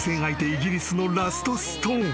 イギリスのラストストーン］